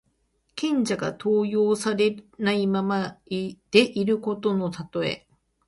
賢者が登用されないままでいることのたとえ。